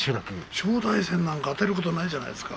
正代戦なんかあてることないじゃないですか